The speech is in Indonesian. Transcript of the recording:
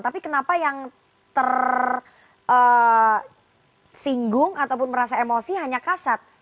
tapi kenapa yang tersinggung ataupun merasa emosi hanya kasat